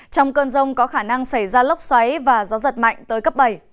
trong cơn rông có khả năng xảy ra lốc xoáy và gió giật mạnh tới cấp bảy